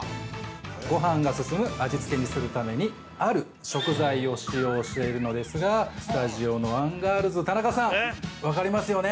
◆ごはんが進む味付けにするためにある食材を使用しているのですがスタジオのアンガールズ・田中さん、分かりますよね。